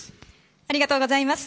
ありがとうございます。